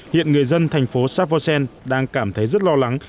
hiện người dân thành phố savosen đang cảm thấy rất lo lắng